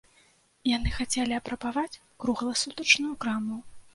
Яны хацелі абрабаваць кругласутачную краму.